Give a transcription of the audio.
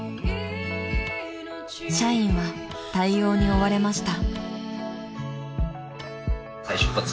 ［社員は対応に追われました］